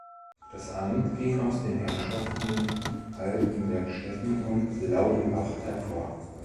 Das Amt ging aus den Herrschaften Haltenbergstetten und Laudenbach hervor.